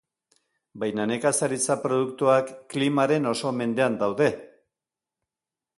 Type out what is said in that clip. Baina nekazaritza produktuak klimaren oso mendean daude.